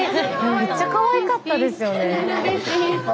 めっちゃかわいかったですよね。